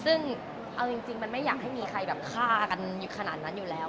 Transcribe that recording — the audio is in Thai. ซึ่งเอาจริงมันไม่อยากให้มีใครแบบฆ่ากันขนาดนั้นอยู่แล้ว